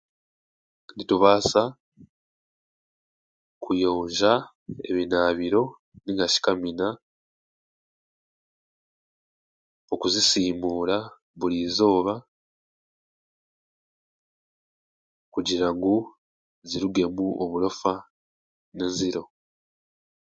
Nitubaasa kuyonja ebinaabiro nainga shi kamina okuzisiimuura buri eizooba kugira ngu zirugemu oburofa n'enziro